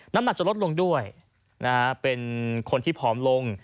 น้ำหนักจะลดลงด้วยนะฮะเป็นคนที่ผอมลง